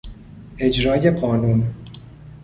اجرای قانون